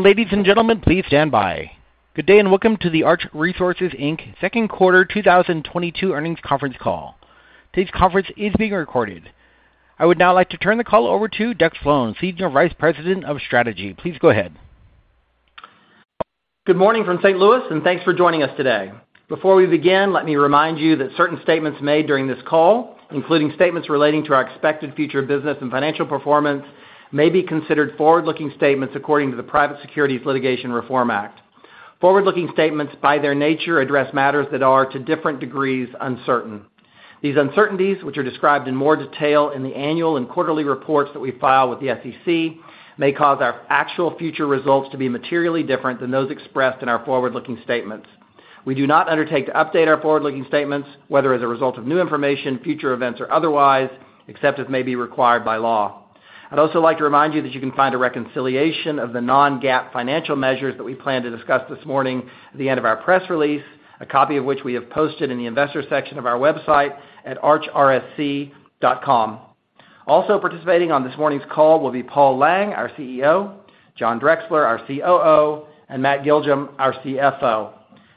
Ladies and gentlemen, please stand by. Good day, and welcome to the Arch Resources, Inc. Second Quarter 2022 earnings conference call. Today's conference is being recorded. I would now like to turn the call over to Deck Slone, Senior Vice President of Strategy. Please go ahead. Good morning from St. Louis, and thanks for joining us today. Before we begin, let me remind you that certain statements made during this call, including statements relating to our expected future business and financial performance, may be considered forward-looking statements according to the Private Securities Litigation Reform Act. Forward-looking statements by their nature address matters that are to different degrees uncertain. These uncertainties, which are described in more detail in the annual and quarterly reports that we file with the SEC, may cause our actual future results to be materially different than those expressed in our forward-looking statements. We do not undertake to update our forward-looking statements, whether as a result of new information, future events, or otherwise, except as may be required by law. I'd also like to remind you that you can find a reconciliation of the non-GAAP financial measures that we plan to discuss this morning at the end of our press release, a copy of which we have posted in the investor section of our website at archrsc.com. Also participating on this morning's call will be Paul Lang, our CEO, John Drexler, our COO, and Matt Giljum, our CFO.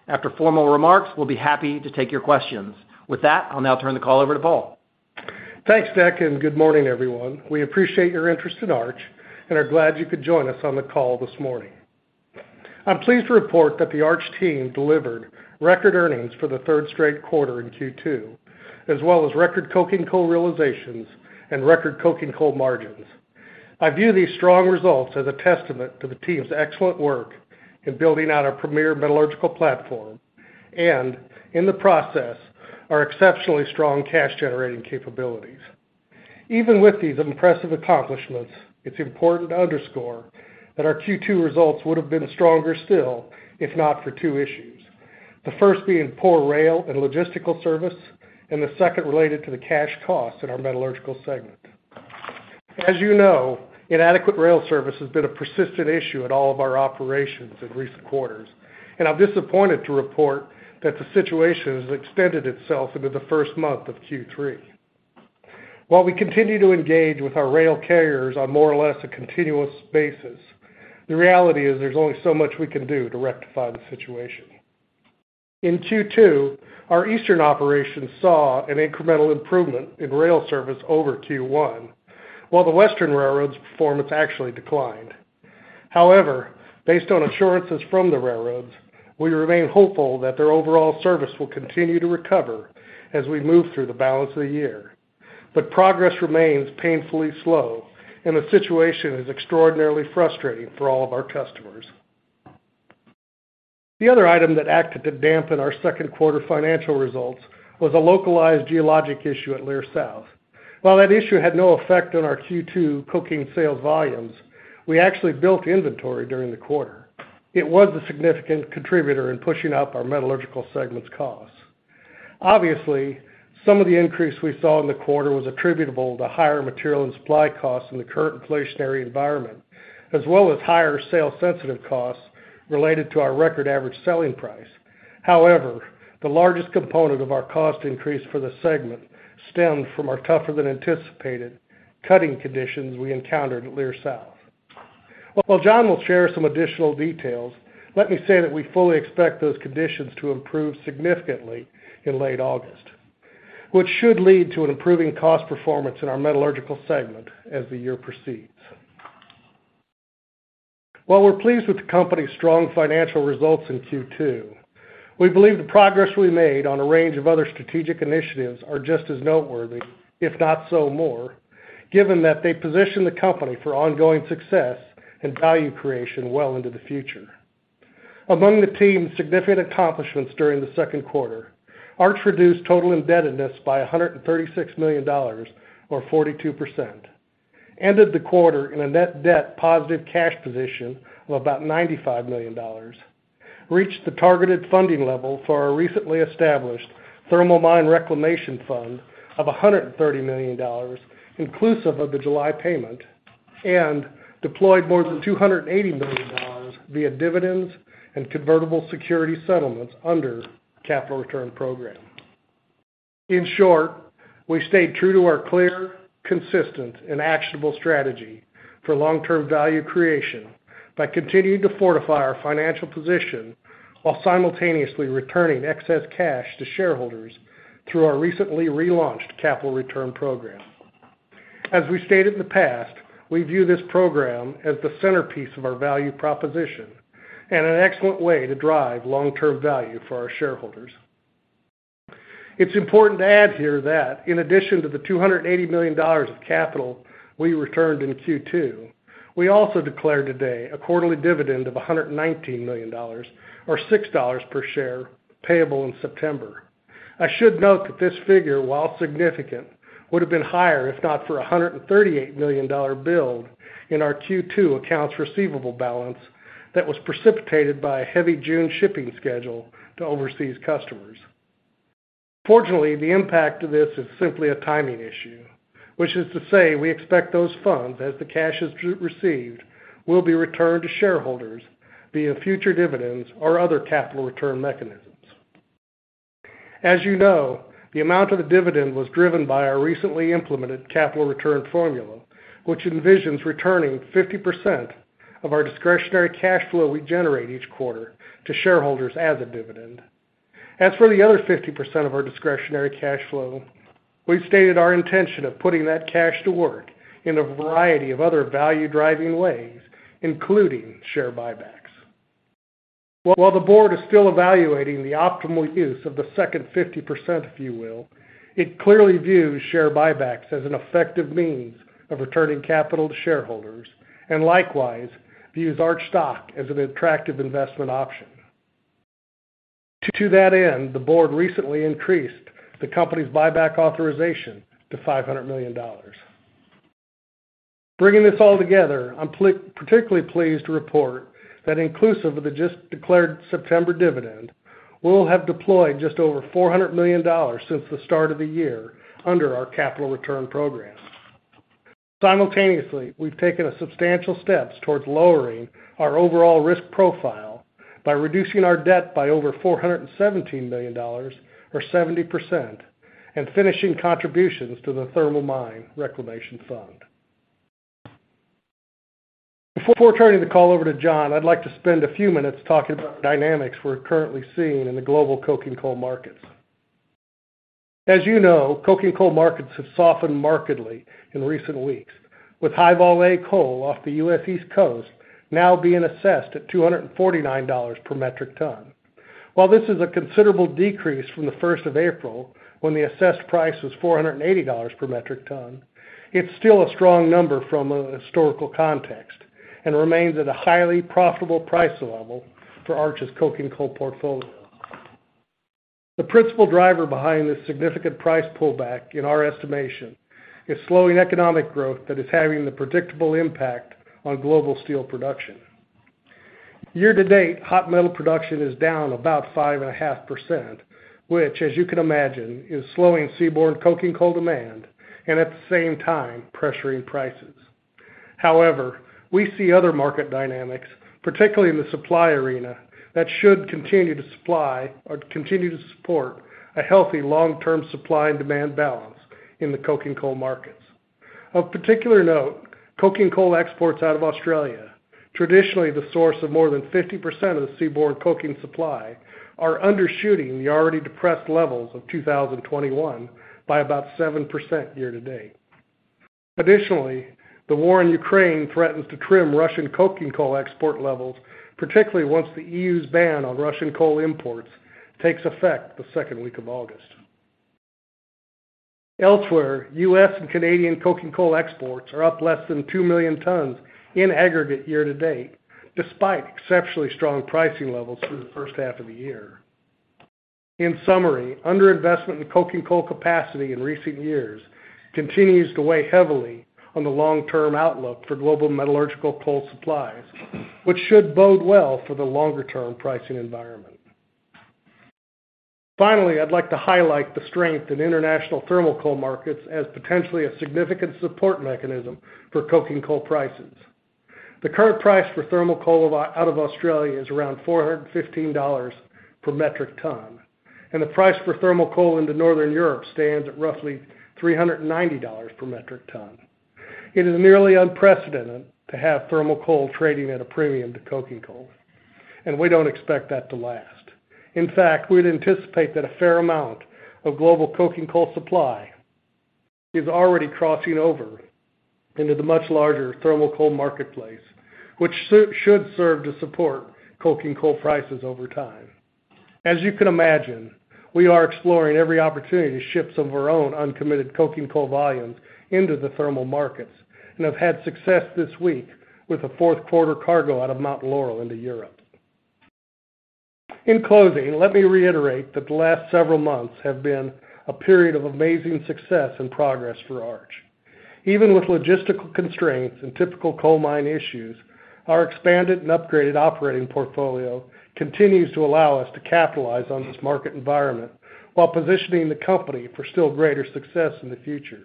After formal remarks, we'll be happy to take your questions. With that, I'll now turn the call over to Paul. Thanks, Deck, and good morning, everyone. We appreciate your interest in Arch and are glad you could join us on the call this morning. I'm pleased to report that the Arch team delivered record earnings for the third straight quarter in Q2, as well as record coking coal realizations and record coking coal margins. I view these strong results as a testament to the team's excellent work in building out our premier metallurgical platform and, in the process, our exceptionally strong cash-generating capabilities. Even with these impressive accomplishments, it's important to underscore that our Q2 results would have been stronger still if not for two issues. The first being poor rail and logistical service, and the second related to the cash costs in our metallurgical segment. As you know, inadequate rail service has been a persistent issue at all of our operations in recent quarters, and I'm disappointed to report that the situation has extended itself into the first month of Q3. While we continue to engage with our rail carriers on more or less a continuous basis, the reality is there's only so much we can do to rectify the situation. In Q2, our eastern operations saw an incremental improvement in rail service over Q1, while the western railroads' performance actually declined. However, based on assurances from the railroads, we remain hopeful that their overall service will continue to recover as we move through the balance of the year. Progress remains painfully slow, and the situation is extraordinarily frustrating for all of our customers. The other item that acted to dampen our second quarter financial results was a localized geologic issue at Leer South. While that issue had no effect on our Q2 coking sales volumes, we actually built inventory during the quarter. It was a significant contributor in pushing up our metallurgical segment's costs. Obviously, some of the increase we saw in the quarter was attributable to higher material and supply costs in the current inflationary environment, as well as higher sales-sensitive costs related to our record average selling price. However, the largest component of our cost increase for the segment stemmed from our tougher-than-anticipated cutting conditions we encountered at Leer South. While John will share some additional details, let me say that we fully expect those conditions to improve significantly in late August, which should lead to an improving cost performance in our metallurgical segment as the year proceeds. While we're pleased with the company's strong financial results in Q2, we believe the progress we made on a range of other strategic initiatives are just as noteworthy, if not so more, given that they position the company for ongoing success and value creation well into the future. Among the team's significant accomplishments during the second quarter, Arch reduced total indebtedness by $136 million or 42%, ended the quarter in a net debt positive cash position of about $95 million, reached the targeted funding level for our recently established thermal mine reclamation fund of $130 million, inclusive of the July payment, and deployed more than $280 million via dividends and convertible security settlements under capital return program. In short, we stayed true to our clear, consistent, and actionable strategy for long-term value creation by continuing to fortify our financial position while simultaneously returning excess cash to shareholders through our recently relaunched capital return program. As we stated in the past, we view this program as the centerpiece of our value proposition and an excellent way to drive long-term value for our shareholders. It's important to add here that in addition to the $280 million of capital we returned in Q2, we also declared today a quarterly dividend of $119 million or $6 per share payable in September. I should note that this figure, while significant, would have been higher if not for a $138 million build in our Q2 accounts receivable balance that was precipitated by a heavy June shipping schedule to overseas customers. Fortunately, the impact of this is simply a timing issue, which is to say we expect those funds, as the cash is received, will be returned to shareholders via future dividends or other capital return mechanisms. As you know, the amount of the dividend was driven by our recently implemented capital return formula, which envisions returning 50% of our discretionary cash flow we generate each quarter to shareholders as a dividend. As for the other 50% of our discretionary cash flow, we've stated our intention of putting that cash to work in a variety of other value-driving ways, including share buybacks. While the board is still evaluating the optimal use of the second 50%, if you will, it clearly views share buybacks as an effective means of returning capital to shareholders and likewise views Arch stock as an attractive investment option. To that end, the board recently increased the company's buyback authorization to $500 million. Bringing this all together, I'm particularly pleased to report that inclusive of the just declared September dividend, we'll have deployed just over $400 million since the start of the year under our capital return program. Simultaneously, we've taken substantial steps towards lowering our overall risk profile by reducing our debt by over $417 million, or 70%, and finishing contributions to the thermal mine reclamation fund. Before turning the call over to John, I'd like to spend a few minutes talking about dynamics we're currently seeing in the global coking coal markets. As you know, coking coal markets have softened markedly in recent weeks, with High-Vol A coal off the U.S. East Coast now being assessed at $249 per metric ton. While this is a considerable decrease from the first of April, when the assessed price was $480 per metric ton, it's still a strong number from a historical context and remains at a highly profitable price level for Arch's coking coal portfolio. The principal driver behind this significant price pullback, in our estimation, is slowing economic growth that is having the predictable impact on global steel production. Year-to-date, hot metal production is down about 5.5%, which, as you can imagine, is slowing seaborne coking coal demand and at the same time pressuring prices. However, we see other market dynamics, particularly in the supply arena, that should continue to supply or continue to support a healthy long-term supply and demand balance in the coking coal markets. Of particular note, coking coal exports out of Australia, traditionally the source of more than 50% of the seaborne coking supply, are undershooting the already depressed levels of 2021 by about 7% year-to-date. Additionally, the war in Ukraine threatens to trim Russian coking coal export levels, particularly once the EU's ban on Russian coal imports takes effect the second week of August. Elsewhere, U.S. and Canadian coking coal exports are up less than 2 million tons in aggregate year-to-date, despite exceptionally strong pricing levels through the first half of the year. In summary, underinvestment in coking coal capacity in recent years continues to weigh heavily on the long-term outlook for global metallurgical coal supplies, which should bode well for the longer term pricing environment. Finally, I'd like to highlight the strength in international thermal coal markets as potentially a significant support mechanism for coking coal prices. The current price for thermal coal out of Australia is around $415 per metric ton, and the price for thermal coal into Northern Europe stands at roughly $390 per metric ton. It is nearly unprecedented to have thermal coal trading at a premium to coking coal, and we don't expect that to last. In fact, we'd anticipate that a fair amount of global coking coal supply is already crossing over into the much larger thermal coal marketplace, which should serve to support coking coal prices over time. As you can imagine, we are exploring every opportunity to ship some of our own uncommitted coking coal volumes into the thermal markets and have had success this week with a fourth quarter cargo out of Mountain Laurel into Europe. In closing, let me reiterate that the last several months have been a period of amazing success and progress for Arch. Even with logistical constraints and typical coal mine issues, our expanded and upgraded operating portfolio continues to allow us to capitalize on this market environment while positioning the company for still greater success in the future.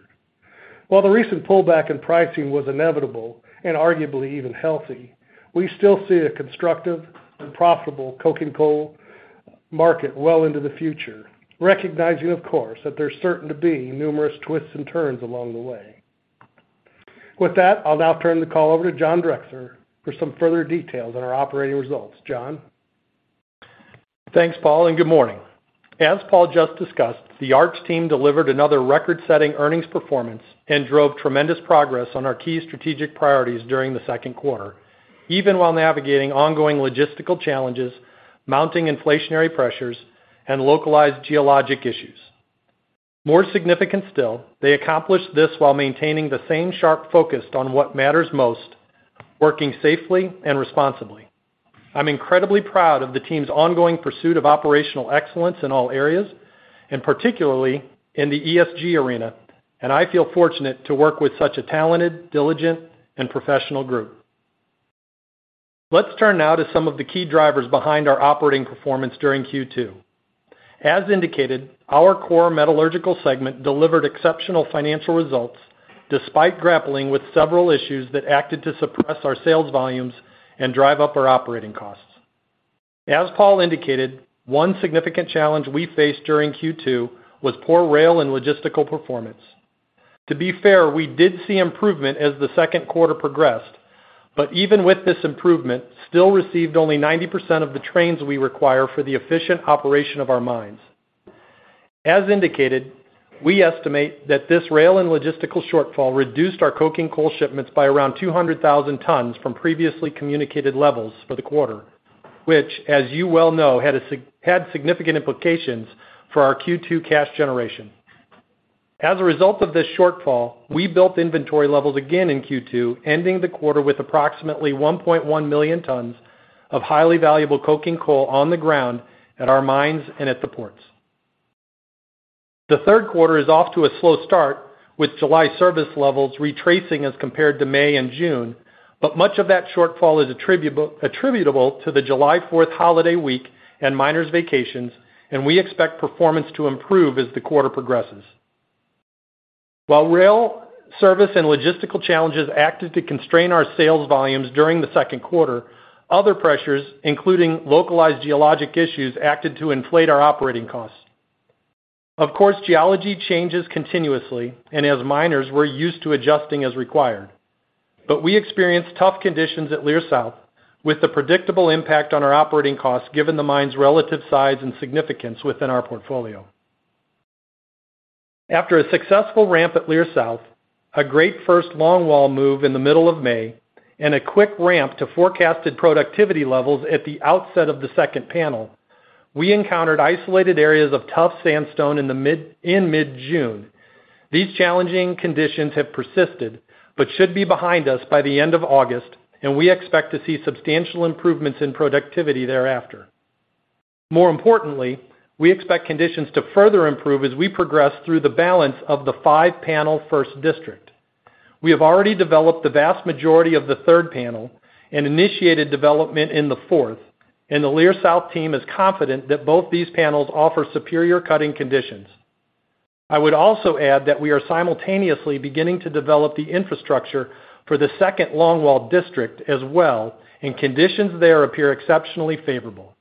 While the recent pullback in pricing was inevitable and arguably even healthy, we still see a constructive and profitable coking coal market well into the future, recognizing, of course, that there's certain to be numerous twists and turns along the way. With that, I'll now turn the call over to John Drexler for some further details on our operating results. John? Thanks, Paul, and good morning. As Paul just discussed, the Arch team delivered another record-setting earnings performance and drove tremendous progress on our key strategic priorities during the second quarter, even while navigating ongoing logistical challenges, mounting inflationary pressures, and localized geologic issues. More significant still, they accomplished this while maintaining the same sharp focus on what matters most, working safely and responsibly. I'm incredibly proud of the team's ongoing pursuit of operational excellence in all areas, and particularly in the ESG arena, and I feel fortunate to work with such a talented, diligent, and professional group. Let's turn now to some of the key drivers behind our operating performance during Q2. As indicated, our core metallurgical segment delivered exceptional financial results. Despite grappling with several issues that acted to suppress our sales volumes and drive up our operating costs. As Paul indicated, one significant challenge we faced during Q2 was poor rail and logistical performance. To be fair, we did see improvement as the second quarter progressed, but even with this improvement, still received only 90% of the trains we require for the efficient operation of our mines. As indicated, we estimate that this rail and logistical shortfall reduced our coking coal shipments by around 200,000 tons from previously communicated levels for the quarter, which, as you well know, had significant implications for our Q2 cash generation. As a result of this shortfall, we built inventory levels again in Q2, ending the quarter with approximately 1.1 million tons of highly valuable coking coal on the ground at our mines and at the ports. The third quarter is off to a slow start, with July service levels retracing as compared to May and June, but much of that shortfall is attributable to the July fourth holiday week and miners vacations, and we expect performance to improve as the quarter progresses. While rail service and logistical challenges acted to constrain our sales volumes during the second quarter, other pressures, including localized geologic issues, acted to inflate our operating costs. Of course, geology changes continuously, and as miners, we're used to adjusting as required. We experienced tough conditions at Leer South, with the predictable impact on our operating costs given the mine's relative size and significance within our portfolio. After a successful ramp at Leer South, a great first longwall move in the middle of May, and a quick ramp to forecasted productivity levels at the outset of the second panel, we encountered isolated areas of tough sandstone in mid-June. These challenging conditions have persisted, but should be behind us by the end of August, and we expect to see substantial improvements in productivity thereafter. More importantly, we expect conditions to further improve as we progress through the balance of the five panel first district. We have already developed the vast majority of the third panel and initiated development in the fourth. The Leer South team is confident that both these panels offer superior cutting conditions. I would also add that we are simultaneously beginning to develop the infrastructure for the second longwall district as well, and conditions there appear exceptionally favorable.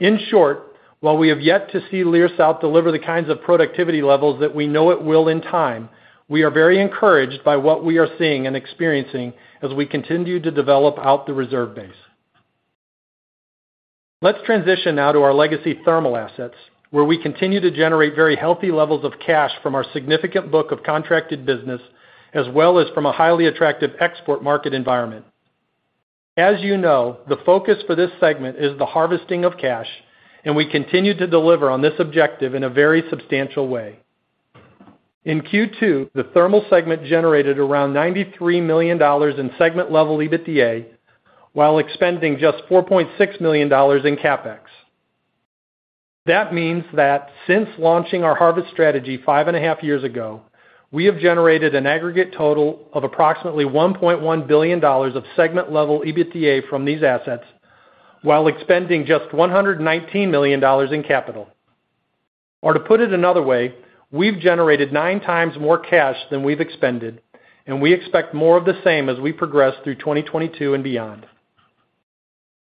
In short, while we have yet to see Leer South deliver the kinds of productivity levels that we know it will in time, we are very encouraged by what we are seeing and experiencing as we continue to develop out the reserve base. Let's transition now to our legacy thermal assets, where we continue to generate very healthy levels of cash from our significant book of contracted business, as well as from a highly attractive export market environment. As you know, the focus for this segment is the harvesting of cash, and we continue to deliver on this objective in a very substantial way. In Q2, the thermal segment generated around $93 million in segment level EBITDA, while expending just $4.6 million in CapEx. That means that since launching our harvest strategy 5.5 years ago, we have generated an aggregate total of approximately $1.1 billion of segment level EBITDA from these assets, while expending just $119 million in capital. To put it another way, we've generated 9x more cash than we've expended, and we expect more of the same as we progress through 2022 and beyond.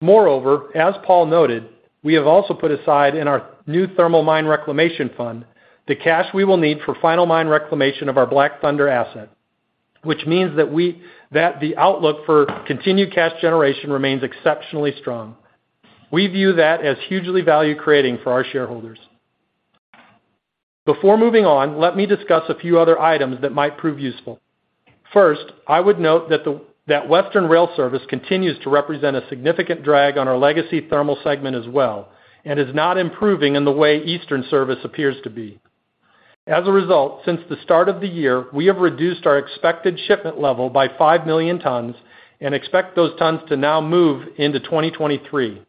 Moreover, as Paul noted, we have also put aside in our new thermal mine reclamation fund the cash we will need for final mine reclamation of our Black Thunder asset, which means that the outlook for continued cash generation remains exceptionally strong. We view that as hugely value-creating for our shareholders. Before moving on, let me discuss a few other items that might prove useful. First, I would note that that Western Rail Service continues to represent a significant drag on our legacy thermal segment as well and is not improving in the way Eastern Service appears to be. As a result, since the start of the year, we have reduced our expected shipment level by 5 million tons and expect those tons to now move into 2023.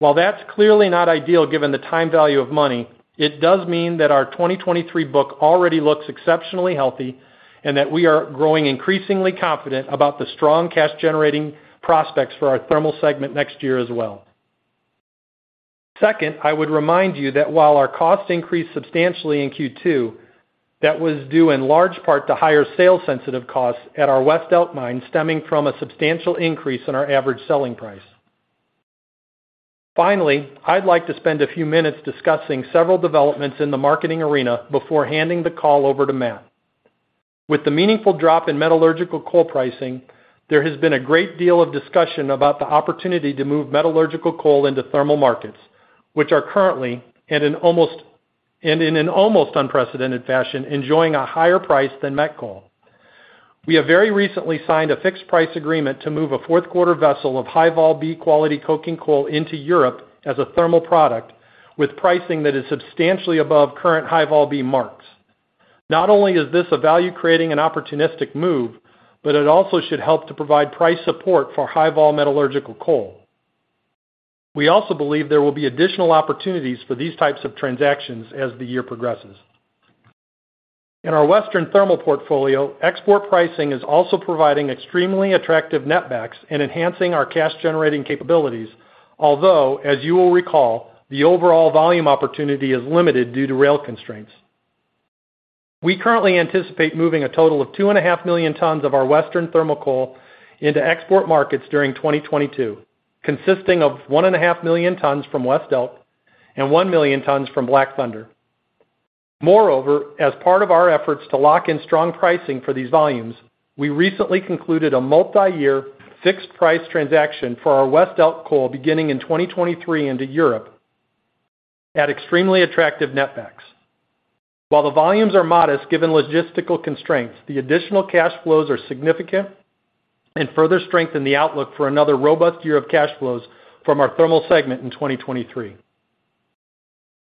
While that's clearly not ideal given the time value of money, it does mean that our 2023 book already looks exceptionally healthy and that we are growing increasingly confident about the strong cash-generating prospects for our thermal segment next year as well. Second, I would remind you that while our costs increased substantially in Q2, that was due in large part to higher sales-sensitive costs at our West Elk mine stemming from a substantial increase in our average selling price. Finally, I'd like to spend a few minutes discussing several developments in the marketing arena before handing the call over to Matt. With the meaningful drop in metallurgical coal pricing, there has been a great deal of discussion about the opportunity to move metallurgical coal into thermal markets, which are currently in an almost unprecedented fashion enjoying a higher price than met coal. We have very recently signed a fixed price agreement to move a fourth-quarter vessel of High-Vol B quality coking coal into Europe as a thermal product with pricing that is substantially above current High-Vol B marks. Not only is this a value-creating and opportunistic move, but it also should help to provide price support for High-Vol metallurgical coal. We also believe there will be additional opportunities for these types of transactions as the year progresses. In our Western thermal portfolio, export pricing is also providing extremely attractive netbacks and enhancing our cash-generating capabilities. Although, as you will recall, the overall volume opportunity is limited due to rail constraints. We currently anticipate moving a total of 2.5 million tons of our Western thermal coal into export markets during 2022, consisting of 1.5 million tons from West Elk and 1 million tons from Black Thunder. Moreover, as part of our efforts to lock in strong pricing for these volumes, we recently concluded a multiyear fixed price transaction for our West Elk coal beginning in 2023 into Europe at extremely attractive netbacks. While the volumes are modest given logistical constraints, the additional cash flows are significant and further strengthen the outlook for another robust year of cash flows from our thermal segment in 2023.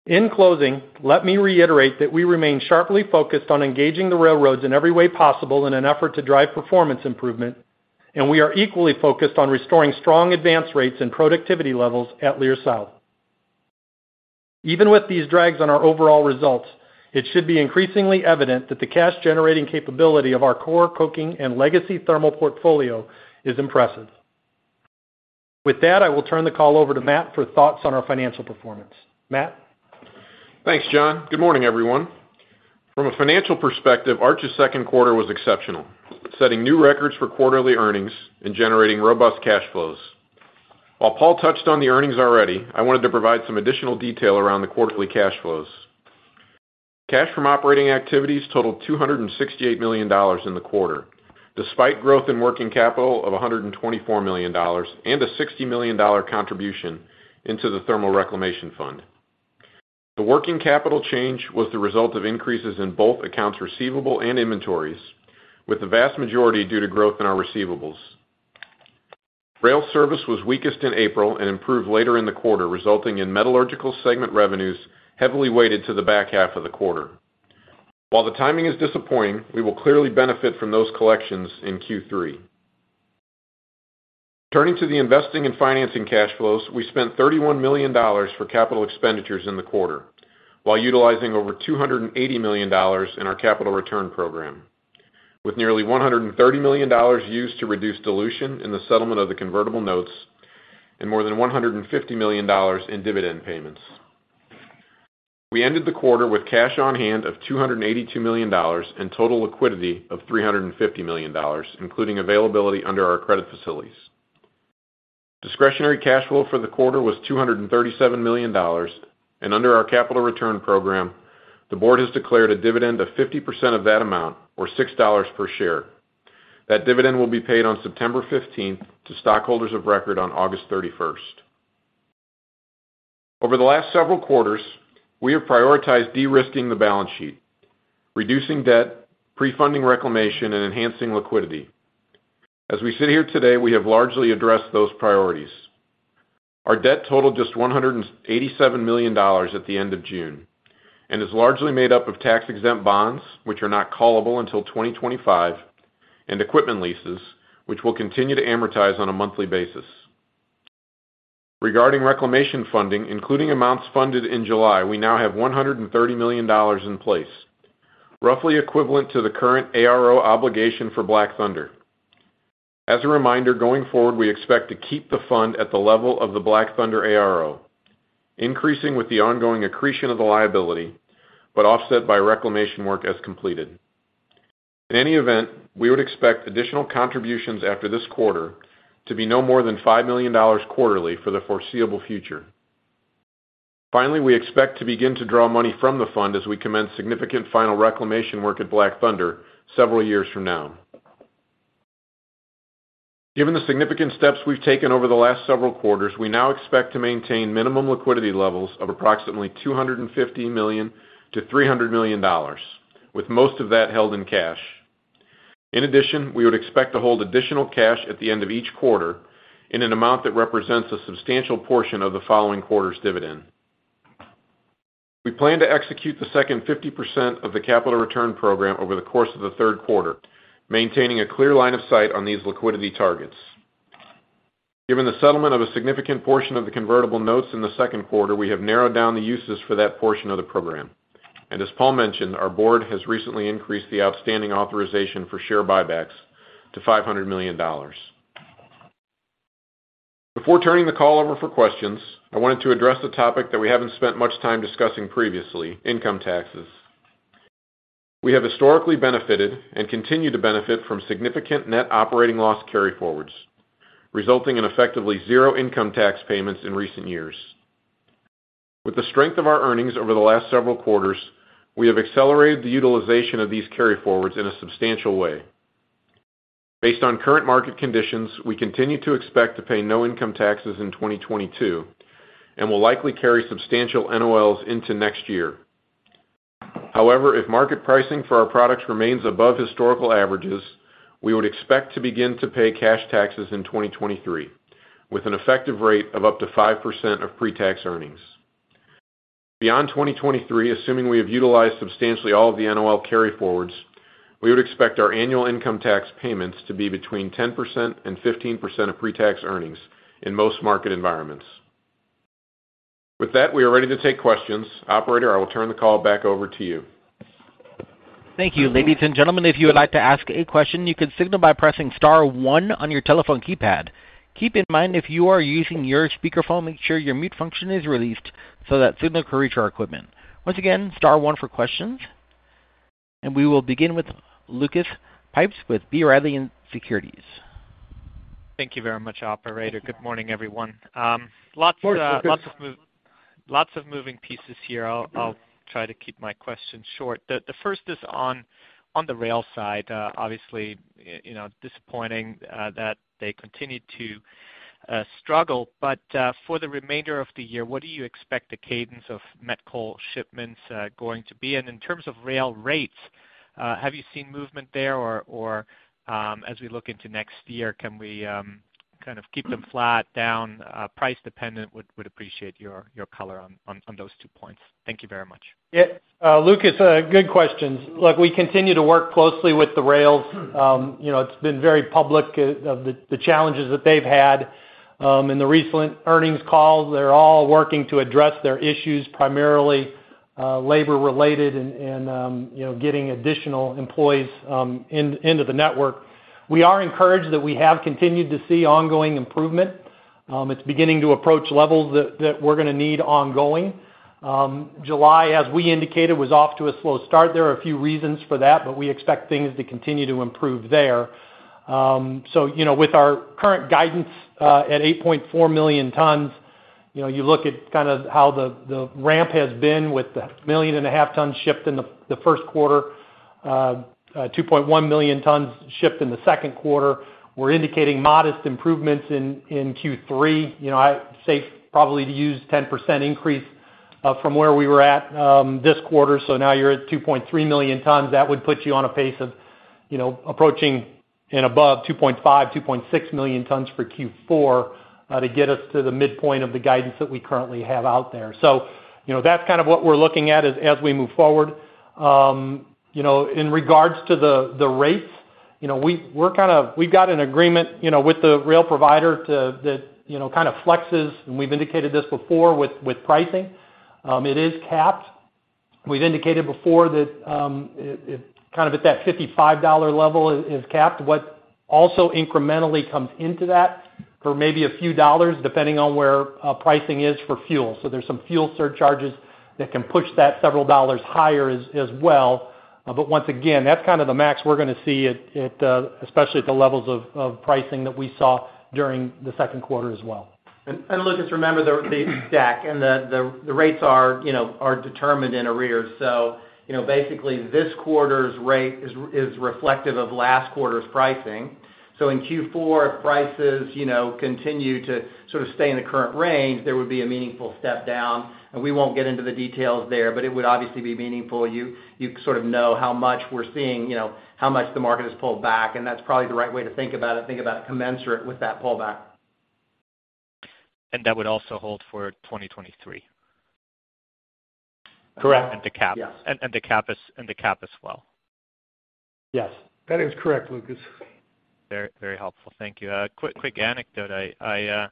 In closing, let me reiterate that we remain sharply focused on engaging the railroads in every way possible in an effort to drive performance improvement, and we are equally focused on restoring strong advance rates and productivity levels at Leer South. Even with these drags on our overall results, it should be increasingly evident that the cash-generating capability of our core coking and legacy thermal portfolio is impressive. With that, I will turn the call over to Matt for thoughts on our financial performance. Matt? Thanks, John. Good morning, everyone. From a financial perspective, Arch's second quarter was exceptional, setting new records for quarterly earnings and generating robust cash flows. While Paul touched on the earnings already, I wanted to provide some additional detail around the quarterly cash flows. Cash from operating activities totaled $268 million in the quarter, despite growth in working capital of $124 million and a $60 million contribution into the thermal reclamation fund. The working capital change was the result of increases in both accounts receivable and inventories, with the vast majority due to growth in our receivables. Rail service was weakest in April and improved later in the quarter, resulting in metallurgical segment revenues heavily weighted to the back half of the quarter. While the timing is disappointing, we will clearly benefit from those collections in Q3. Turning to the investing and financing cash flows, we spent $31 million for capital expenditures in the quarter while utilizing over $280 million in our capital return program, with nearly $130 million used to reduce dilution in the settlement of the convertible notes and more than $150 million in dividend payments. We ended the quarter with cash on hand of $282 million and total liquidity of $350 million, including availability under our credit facilities. Discretionary cash flow for the quarter was $237 million, and under our capital return program, the board has declared a dividend of 50% of that amount, or $6 per share. That dividend will be paid on September 15th to stockholders of record on August 31st. Over the last several quarters, we have prioritized de-risking the balance sheet, reducing debt, pre-funding reclamation, and enhancing liquidity. As we sit here today, we have largely addressed those priorities. Our debt totaled just $187 million at the end of June and is largely made up of tax-exempt bonds, which are not callable until 2025, and equipment leases, which we'll continue to amortize on a monthly basis. Regarding reclamation funding, including amounts funded in July, we now have $130 million in place, roughly equivalent to the current ARO obligation for Black Thunder. As a reminder, going forward, we expect to keep the fund at the level of the Black Thunder ARO, increasing with the ongoing accretion of the liability, but offset by reclamation work as completed. In any event, we would expect additional contributions after this quarter to be no more than $5 million quarterly for the foreseeable future. Finally, we expect to begin to draw money from the fund as we commence significant final reclamation work at Black Thunder several years from now. Given the significant steps we've taken over the last several quarters, we now expect to maintain minimum liquidity levels of approximately $250 million-$300 million, with most of that held in cash. In addition, we would expect to hold additional cash at the end of each quarter in an amount that represents a substantial portion of the following quarter's dividend. We plan to execute the second 50% of the capital return program over the course of the third quarter, maintaining a clear line of sight on these liquidity targets. Given the settlement of a significant portion of the convertible notes in the second quarter, we have narrowed down the uses for that portion of the program. As Paul mentioned, our board has recently increased the outstanding authorization for share buybacks to $500 million. Before turning the call over for questions, I wanted to address the topic that we haven't spent much time discussing previously, income taxes. We have historically benefited and continue to benefit from significant net operating loss carryforwards, resulting in effectively zero income tax payments in recent years. With the strength of our earnings over the last several quarters, we have accelerated the utilization of these carryforwards in a substantial way. Based on current market conditions, we continue to expect to pay no income taxes in 2022 and will likely carry substantial NOLs into next year. However, if market pricing for our products remains above historical averages, we would expect to begin to pay cash taxes in 2023 with an effective rate of up to 5% of pre-tax earnings. Beyond 2023, assuming we have utilized substantially all of the NOL carryforwards, we would expect our annual income tax payments to be between 10% and 15% of pre-tax earnings in most market environments. With that, we are ready to take questions. Operator, I will turn the call back over to you. Thank you. Ladies and gentlemen, if you would like to ask a question, you can signal by pressing star one on your telephone keypad. Keep in mind, if you are using your speakerphone, make sure your mute function is released so that signal can reach our equipment. Once again, star one for questions. We will begin with Lucas Pipes with B. Riley Securities. Thank you very much, operator. Good morning, everyone. Of course, Lucas. Lots of moving pieces here. I'll try to keep my questions short. The first is on the rail side. Obviously, you know, disappointing that they continued to struggle. For the remainder of the year, what do you expect the cadence of met coal shipments going to be? And in terms of rail rates, have you seen movement there? Or as we look into next year, can we kind of keep them flat, down price dependent? Would appreciate your color on those two points. Thank you very much. Yeah, Lucas, good questions. Look, we continue to work closely with the rails. You know, it's been very public of the challenges that they've had. In the recent earnings calls, they're all working to address their issues, primarily labor related and you know, getting additional employees into the network. We are encouraged that we have continued to see ongoing improvement. It's beginning to approach levels that we're gonna need ongoing. July, as we indicated, was off to a slow start. There are a few reasons for that, but we expect things to continue to improve there. You know, with our current guidance at 8.4 million tons, you know, you look at kind of how the ramp has been with the 1.5 million tons shipped in the first quarter. 2.1 million tons shipped in the second quarter. We're indicating modest improvements in Q3. You know, I say probably to use 10% increase from where we were at this quarter. Now you're at 2.3 million tons. That would put you on a pace of, you know, approaching and above 2.5 million tons, 2.6 million tons for Q4 to get us to the midpoint of the guidance that we currently have out there. You know, that's kind of what we're looking at as we move forward. You know, in regards to the rates, you know, we've got an agreement, you know, with the rail provider that, you know, kind of flexes, and we've indicated this before with pricing. It is capped. We've indicated before that it kind of at that $55 level is capped. What also incrementally comes into that for maybe a few dollars, depending on where pricing is for fuel. There's some fuel surcharges that can push that several dollars higher as well. Once again, that's kind of the max we're gonna see at especially at the levels of pricing that we saw during the second quarter as well. Lucas, remember the stack and the rates, you know, are determined in arrears. You know, basically, this quarter's rate is reflective of last quarter's pricing. In Q4, if prices, you know, continue to sort of stay in the current range, there would be a meaningful step down. We won't get into the details there, but it would obviously be meaningful. You sort of know how much we're seeing, you know, how much the market has pulled back, and that's probably the right way to think about it. Think about commensurate with that pullback. That would also hold for 2023? Correct. The cap. Yes. The cap as well. Yes, that is correct, Lucas. Very, very helpful. Thank you. Quick anecdote. I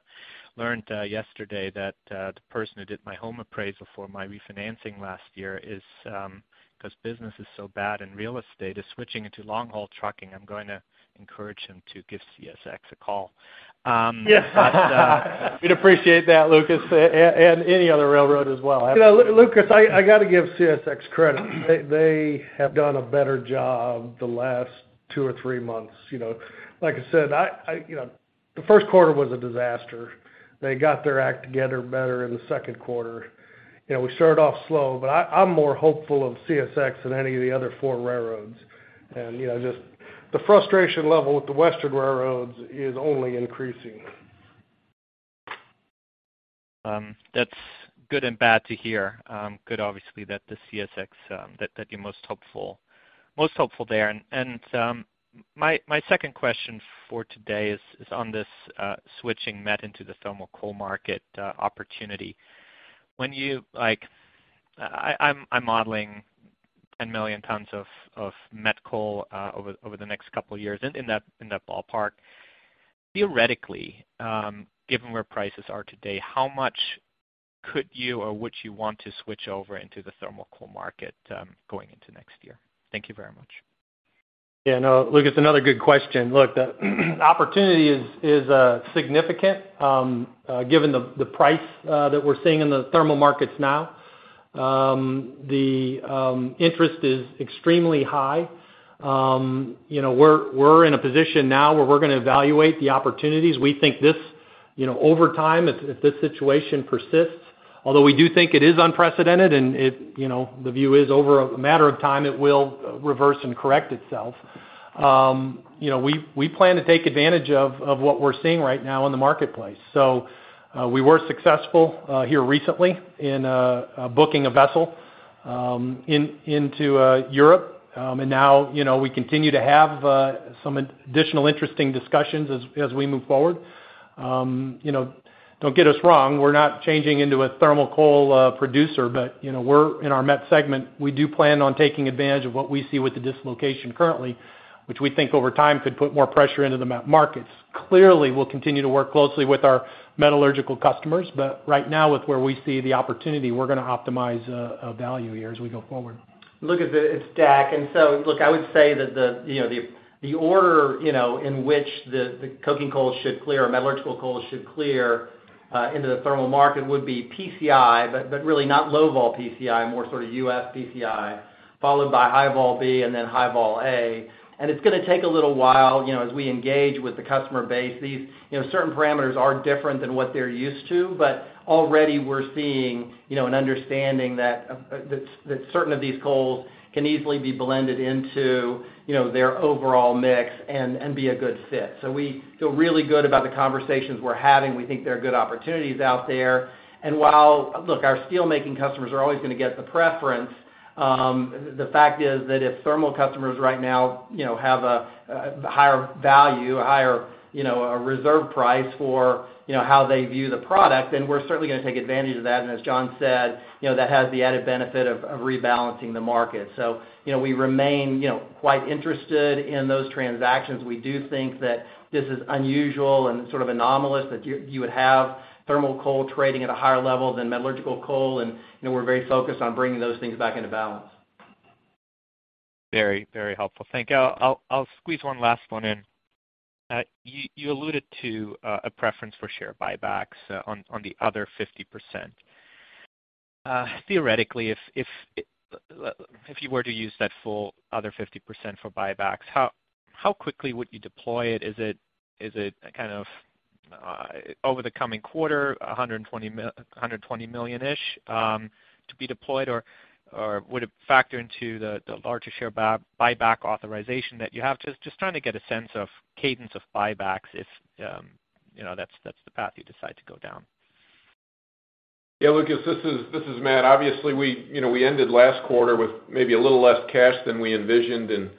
learned yesterday that the person who did my home appraisal for my refinancing last year is, 'cause business is so bad in real estate, switching into long-haul trucking. I'm going to encourage him to give CSX a call. We'd appreciate that, Lucas, and any other railroad as well. You know, Lucas, I gotta give CSX credit. They have done a better job the last two or three months, you know. Like I said, you know, the first quarter was a disaster. They got their act together better in the second quarter. You know, we started off slow, but I'm more hopeful of CSX than any of the other four railroads. You know, just the frustration level with the western railroads is only increasing. That's good and bad to hear. Good obviously that the CSX, that you're most hopeful there. My second question for today is on this switching met into the thermal coal market opportunity. Like, I'm modeling 10 million tons of met coal over the next couple of years in that ballpark. Theoretically, given where prices are today, how much could you or would you want to switch over into the thermal coal market going into next year? Thank you very much. Yeah, no, Lucas, another good question. Look, the opportunity is significant given the price that we're seeing in the thermal markets now. The interest is extremely high. You know, we're in a position now where we're gonna evaluate the opportunities. We think this you know over time if this situation persists although we do think it is unprecedented and you know the view is over a matter of time it will reverse and correct itself. You know, we plan to take advantage of what we're seeing right now in the marketplace. We were successful here recently in booking a vessel into Europe. Now, you know, we continue to have some additional interesting discussions as we move forward. You know, don't get us wrong, we're not changing into a thermal coal producer, but you know, we're in our met segment. We do plan on taking advantage of what we see with the dislocation currently, which we think over time could put more pressure into the met markets. Clearly, we'll continue to work closely with our metallurgical customers, but right now with where we see the opportunity, we're gonna optimize our value here as we go forward. Look at the stack. Look, I would say that the order in which the coking coal should clear, metallurgical coal should clear into the thermal market would be PCI, but really not low-vol PCI, more sort of U.S. PCI, followed by High-Vol B, and then High-Vol A. It's gonna take a little while as we engage with the customer base. These certain parameters are different than what they're used to, but already we're seeing an understanding that certain of these coals can easily be blended into their overall mix and be a good fit. We feel really good about the conversations we're having. We think there are good opportunities out there. While... Look, our steel making customers are always gonna get the preference, the fact is that if thermal customers right now, you know, have a higher value, you know, a reserve price for, you know, how they view the product, then we're certainly gonna take advantage of that. As John said, you know, that has the added benefit of rebalancing the market. We remain, you know, quite interested in those transactions. We do think that this is unusual and sort of anomalous that you would have thermal coal trading at a higher level than metallurgical coal. We're very focused on bringing those things back into balance. Very, very helpful. Thank you. I'll squeeze one last one in. You alluded to a preference for share buybacks on the other 50%. Theoretically, if you were to use that full other 50% for buybacks, how quickly would you deploy it? Is it a kind of over the coming quarter, $120 million-ish to be deployed? Or would it factor into the larger share buyback authorization that you have? Just trying to get a sense of cadence of buybacks if, you know, that's the path you decide to go down. Yeah. Lucas, this is Matt. Obviously, we, you know, we ended last quarter with maybe a little less cash than we envisioned, and,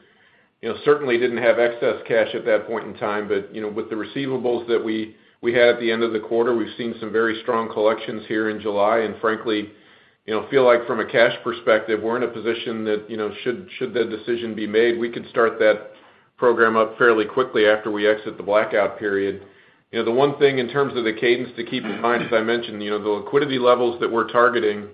you know, certainly didn't have excess cash at that point in time. You know, with the receivables that we had at the end of the quarter, we've seen some very strong collections here in July. Frankly, you know, feel like from a cash perspective, we're in a position that, you know, should the decision be made, we could start that program up fairly quickly after we exit the blackout period. You know, the one thing in terms of the cadence to keep in mind, as I mentioned, you know, the liquidity levels that we're targeting,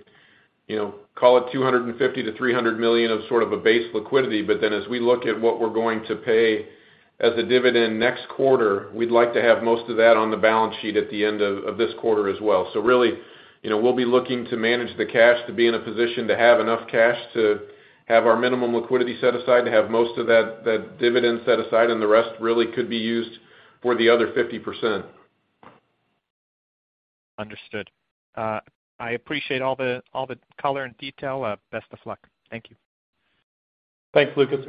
you know, call it $250 million-$300 million of sort of a base liquidity, but then as we look at what we're going to pay as a dividend next quarter, we'd like to have most of that on the balance sheet at the end of this quarter as well. Really, you know, we'll be looking to manage the cash to be in a position to have enough cash to have our minimum liquidity set aside, to have most of that dividend set aside, and the rest really could be used for the other 50%. Understood. I appreciate all the color and detail. Best of luck. Thank you. Thanks, Lucas.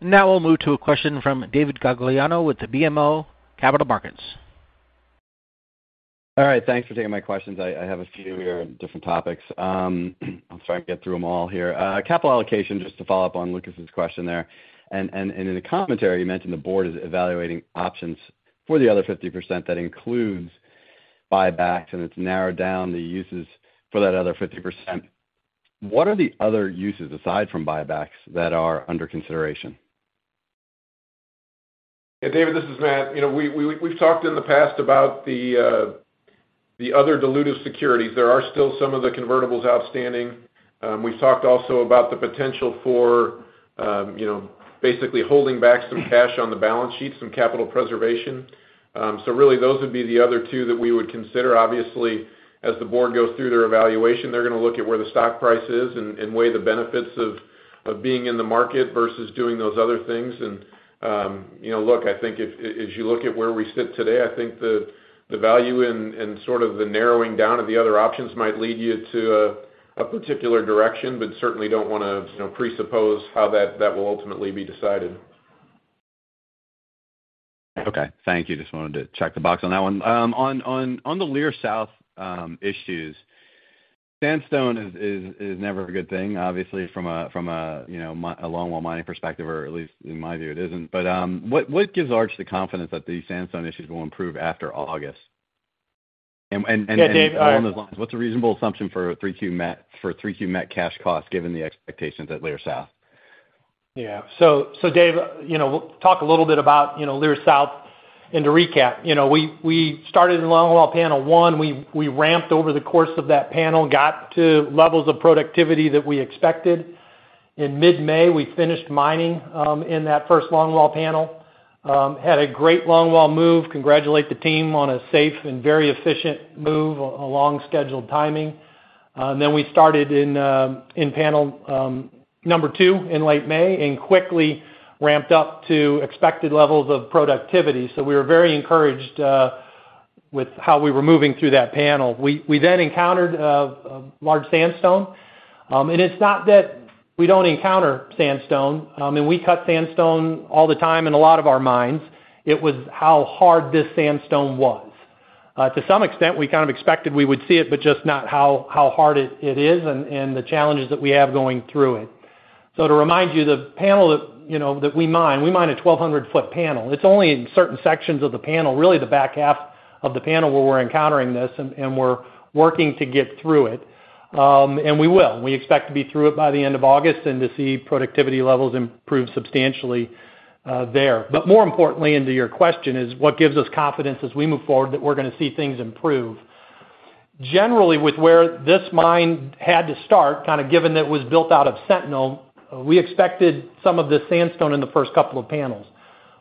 Now we'll move to a question from David Gagliano with BMO Capital Markets. All right. Thanks for taking my questions. I have a few here on different topics. I'll try and get through them all here. Capital allocation, just to follow up on Lucas's question there. In the commentary, you mentioned the board is evaluating options for the other 50% that includes buybacks, and it's narrowed down the uses for that other 50%. What are the other uses aside from buybacks that are under consideration? Yeah. David, this is Matt. You know, we've talked in the past about the other dilutive securities. There are still some of the convertibles outstanding. We've talked also about the potential for, you know, basically holding back some cash on the balance sheet, some capital preservation. So really those would be the other two that we would consider. Obviously, as the board goes through their evaluation, they're gonna look at where the stock price is and weigh the benefits of being in the market versus doing those other things. You know, look, I think if, as you look at where we sit today, I think the value and sort of the narrowing down of the other options might lead you to a particular direction, but certainly don't wanna, you know, presuppose how that will ultimately be decided. Okay. Thank you. Just wanted to check the box on that one. On the Leer South issues, sandstone is never a good thing, obviously from a you know a longwall mining perspective, or at least in my view, it isn't. What gives Arch the confidence that the sandstone issues will improve after August? Along those lines. Yeah, David, What's a reasonable assumption for 3Q met cash costs given the expectations at Leer South? Yeah. Dave, you know, we'll talk a little bit about, you know, Leer South and to recap. You know, we started in longwall panel one, we ramped over the course of that panel, got to levels of productivity that we expected. In mid-May, we finished mining in that first longwall panel. Had a great longwall move, congratulate the team on a safe and very efficient move along scheduled timing. We started in panel number two in late May and quickly ramped up to expected levels of productivity. We were very encouraged with how we were moving through that panel. We then encountered a large sandstone. It's not that we don't encounter sandstone and we cut sandstone all the time in a lot of our mines. It was how hard this sandstone was. To some extent, we kind of expected we would see it, but just not how hard it is and the challenges that we have going through it. To remind you, the panel that, you know, that we mine a 1,200 ft panel. It's only in certain sections of the panel, really the back half of the panel where we're encountering this, and we're working to get through it. We will. We expect to be through it by the end of August and to see productivity levels improve substantially, there. More importantly and to your question is what gives us confidence as we move forward that we're gonna see things improve. Generally, with where this mine had to start, kind of given it was built out of Sentinel, we expected some of this sandstone in the first couple of panels.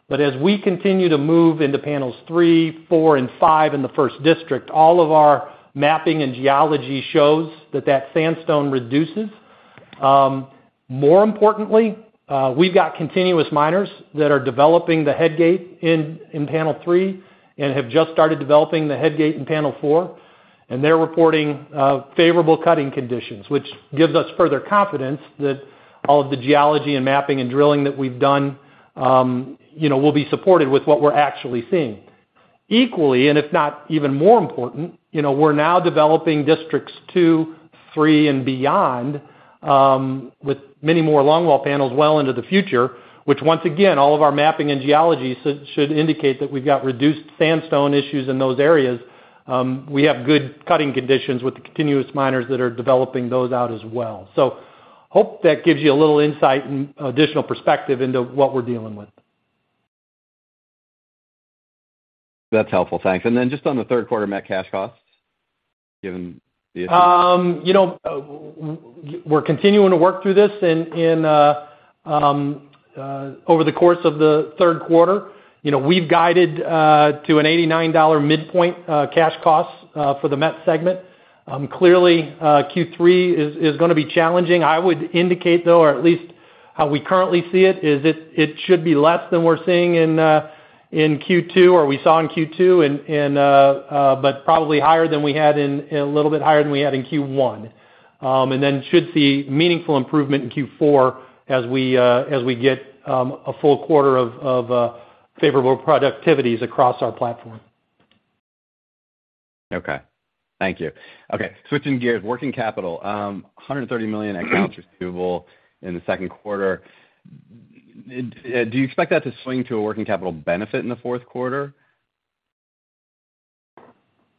As we continue to move into panels three, four, and five in the first district, all of our mapping and geology shows that that sandstone reduces. More importantly, we've got continuous miners that are developing the headgate in panel three and have just started developing the headgate in panel four, and they're reporting favorable cutting conditions, which gives us further confidence that all of the geology and mapping and drilling that we've done, you know, will be supported with what we're actually seeing. Equally, and if not even more important, you know, we're now developing districts two, three, and beyond, with many more longwall panels well into the future, which once again, all of our mapping and geology should indicate that we've got reduced sandstone issues in those areas. We have good cutting conditions with the continuous miners that are developing those out as well. Hope that gives you a little insight and additional perspective into what we're dealing with. That's helpful. Thanks. Just on the third quarter met cash costs, given the... You know, we're continuing to work through this over the course of the third quarter. You know, we've guided to an $89 midpoint cash cost for the met segment. Clearly, Q3 is gonna be challenging. I would indicate though, or at least how we currently see it should be less than we're seeing in Q2 or we saw in Q2, but probably a little bit higher than we had in Q1. Should see meaningful improvement in Q4 as we get a full quarter of favorable productivities across our platform. Okay. Thank you. Okay. Switching gears. Working capital. $130 million accounts receivable in the second quarter. Do you expect that to swing to a working capital benefit in the fourth quarter?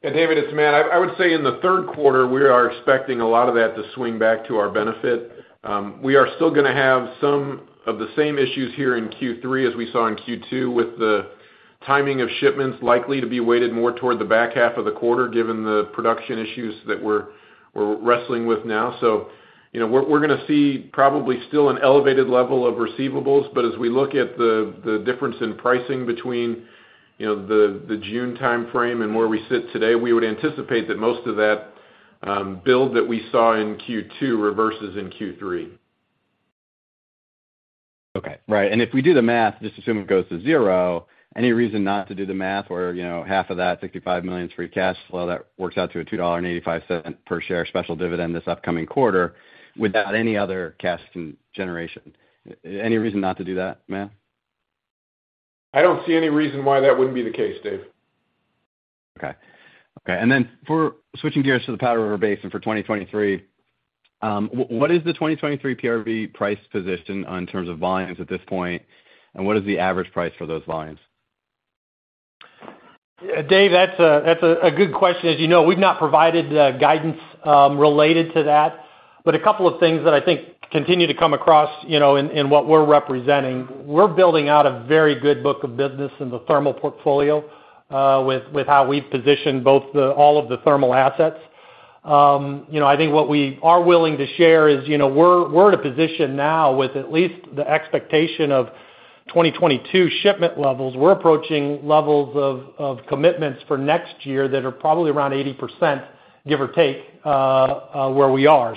Yeah, David, it's Matt. I would say in the third quarter, we are expecting a lot of that to swing back to our benefit. We are still gonna have some of the same issues here in Q3 as we saw in Q2 with the timing of shipments likely to be weighted more toward the back half of the quarter, given the production issues that we're wrestling with now. You know, we're gonna see probably still an elevated level of receivables, but as we look at the difference in pricing between the June timeframe and where we sit today, we would anticipate that most of that build that we saw in Q2 reverses in Q3. If we do the math, just assume it goes to zero, any reason not to do the math or, you know, half of that $65 million free cash flow that works out to a $2.85 per share special dividend this upcoming quarter without any other cash generation. Any reason not to do that, Matt? I don't see any reason why that wouldn't be the case, Dave. Switching gears to the Powder River Basin for 2023, what is the 2023 PRB price position in terms of volumes at this point, and what is the average price for those volumes? David, that's a good question. As you know, we've not provided guidance related to that, but a couple of things that I think continue to come across, you know, in what we're representing, we're building out a very good book of business in the thermal portfolio with how we've positioned all of the thermal assets. You know, I think what we are willing to share is, you know, we're in a position now with at least the expectation of 2022 shipment levels. We're approaching levels of commitments for next year that are probably around 80%, give or take, where we are.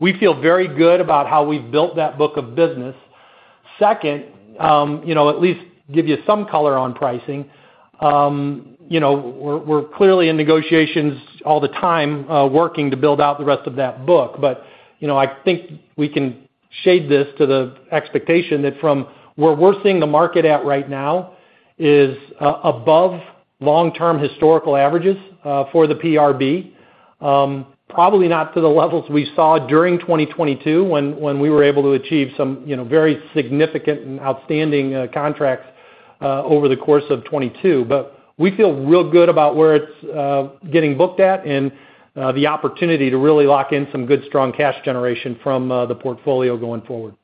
We feel very good about how we've built that book of business. Second, you know, at least give you some color on pricing. You know, we're clearly in negotiations all the time, working to build out the rest of that book. You know, I think we can shade this to the expectation that from where we're seeing the market at right now is above long-term historical averages, for the PRB. Probably not to the levels we saw during 2022 when we were able to achieve some, you know, very significant and outstanding, contracts, over the course of 2022. We feel real good about where it's getting booked at and, the opportunity to really lock in some good, strong cash generation from, the portfolio going forward.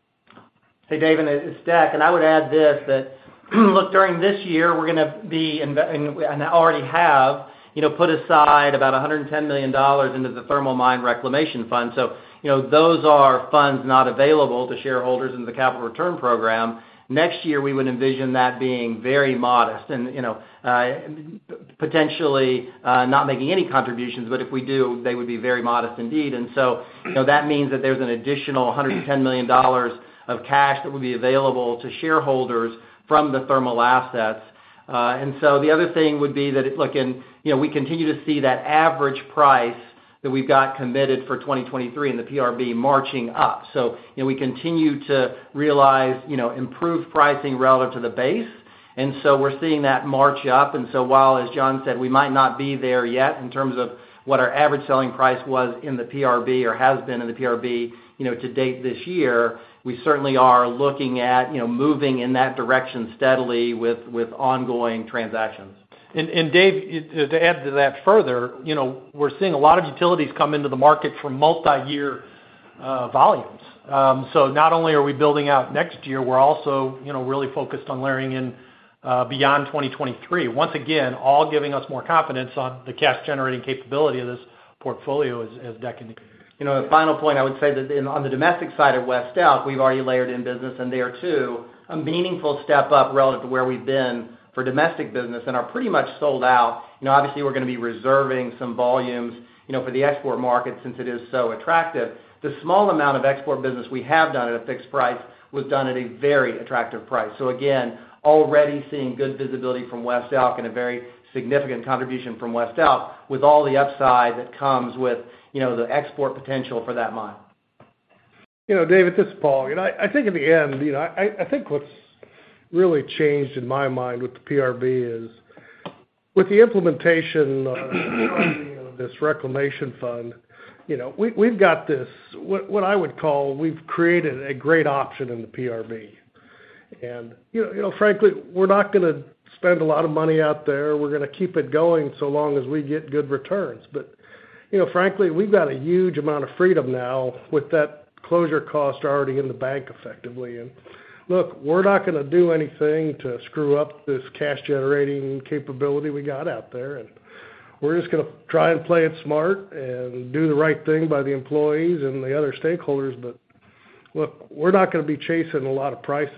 Hey, David, it's Deck. I would add this, look, during this year, we already have, you know, put aside about $110 million into the thermal mine reclamation fund. You know, those are funds not available to shareholders in the capital return program. Next year, we would envision that being very modest and, you know, potentially, not making any contributions, but if we do, they would be very modest indeed. You know, that means that there's an additional $110 million of cash that would be available to shareholders from the thermal assets. The other thing would be, look, you know, we continue to see that average price that we've got committed for 2023 in the PRB marching up. You know, we continue to realize, you know, improved pricing relative to the base. We're seeing that march up. While, as John said, we might not be there yet in terms of what our average selling price was in the PRB or has been in the PRB, you know, to date this year, we certainly are looking at, you know, moving in that direction steadily with ongoing transactions. Dave, to add to that further, you know, we're seeing a lot of utilities come into the market for multiyear volumes. Not only are we building out next year, we're also, you know, really focused on layering in beyond 2023. Once again, all giving us more confidence on the cash-generating capability of this portfolio as Deck. You know, the final point I would say that on the domestic side of West Elk, we've already layered in business, and they are, too, a meaningful step up relative to where we've been for domestic business and are pretty much sold out. You know, obviously, we're gonna be reserving some volumes, you know, for the export market since it is so attractive. The small amount of export business we have done at a fixed price was done at a very attractive price. Again, already seeing good visibility from West Elk and a very significant contribution from West Elk with all the upside that comes with, you know, the export potential for that mine. You know, David, it's Paul. You know, I think in the end, you know, I think what's really changed in my mind with the PRB is with the implementation of this reclamation fund, you know, we've got this, what I would call we've created a great option in the PRB. You know, frankly, we're not gonna spend a lot of money out there. We're gonna keep it going so long as we get good returns. You know, frankly, we've got a huge amount of freedom now with that closure cost already in the bank effectively. Look, we're not gonna do anything to screw up this cash-generating capability we got out there. We're just gonna try and play it smart and do the right thing by the employees and the other stakeholders. Look, we're not gonna be chasing a lot of prices.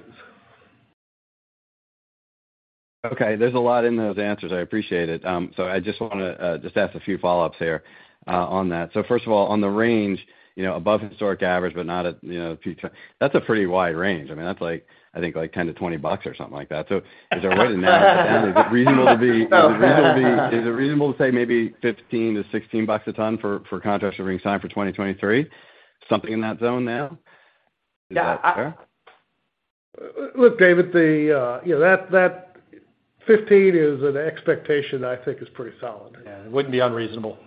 Okay, there's a lot in those answers. I appreciate it. I just wanna just ask a few follow-ups here on that. First of all, on the range, you know, above historic average, but not at, you know, peak. That's a pretty wide range. I mean, that's like, I think like $10-$20 or something like that. Is it reasonable to say maybe $15-$16 a ton for contracts that are being signed for 2023? Something in that zone now? Is that fair? Look, David, you know, that $15 is an expectation I think is pretty solid. Yeah, it wouldn't be unreasonable.